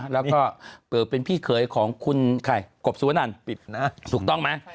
แล้วก็เปิดเป็นพี่เคยของคุณไข่กบสุวนันปิดนะถูกต้องไหม